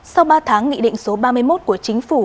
sau ba tháng nghị định số ba mươi một của chính phủ